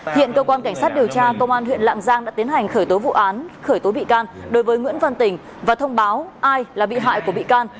hiện cơ quan cảnh sát điều tra công an huyện lạng giang đã tiến hành khởi tố vụ án khởi tố bị can đối với nguyễn văn tình và thông báo ai là bị hại của bị can